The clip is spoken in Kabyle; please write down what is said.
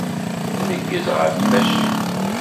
Tneggez ɣer tmacint.